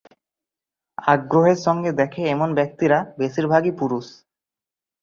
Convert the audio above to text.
আগ্রহের সাথে দেখে এমন ব্যক্তিরা বেশির ভাগই পুরুষ।